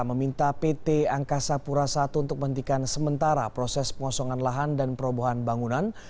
meminta pt angkasa pura i untuk mentikan sementara proses pengosongan lahan dan perobohan bangunan